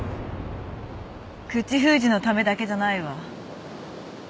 口封じのためだけじゃないわ。